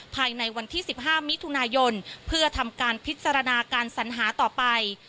ภายในวันที่๑๕มิถุนายนเพื่อทำการพิจารณาการสัญหาต่อไป